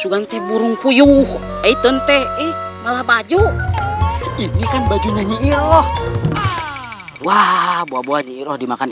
suanti burung puyuh itu nte malah baju ini kan bajunya nyiroh wah buah buah nyiroh dimakan